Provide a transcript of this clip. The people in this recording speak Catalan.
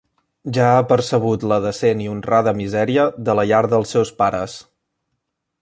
Ja ha percebut la decent i honrada misèria de la llar dels seus pares.